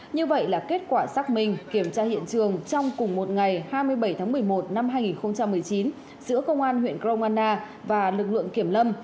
như vậy là kết quả xác minh kiểm tra hiện trường trong cùng một ngày hai mươi bảy tháng một mươi một năm hai nghìn một mươi chín giữa công an huyện grong anna và lực lượng kiểm lâm